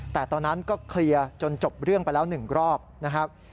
แต่ตอนนั้นก็เคลียร์จนจบเรื่องไปแล้ว๑รอบนะครับ